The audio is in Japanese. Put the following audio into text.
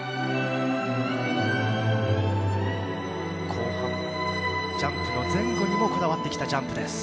後半ジャンプの前後にもこだわってきたジャンプです。